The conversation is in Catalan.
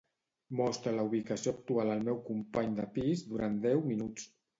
Mostra la ubicació actual al meu company de pis durant deu minuts.